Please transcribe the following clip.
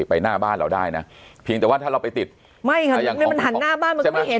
ไปหน้าบ้านเราได้นะเพียงแต่ว่าถ้าเราไปติดไม่ค่ะยังไม่มันหันหน้าบ้านมันก็ไม่เห็น